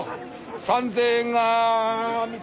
３，０００円が３つ。